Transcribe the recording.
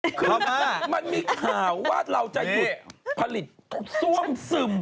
คือมันมีข่าวว่าเราจะหยุดผลิตซ่วมซึม